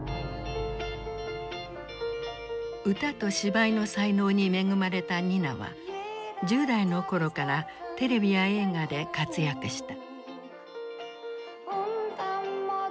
歌と芝居の才能に恵まれたニナは１０代の頃からテレビや映画で活躍した。